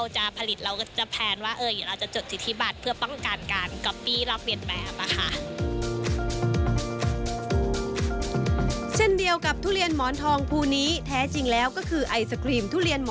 เช่นเดียวกับทุเรียนหมอนทราบ